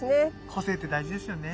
個性って大事ですよね。